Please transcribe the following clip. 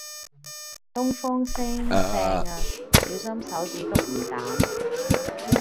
東方昇正呀，小心手指篤魚蛋